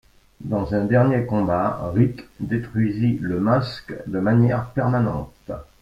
Dans un dernier combat, Rick détruisit le Masque de manière permanente.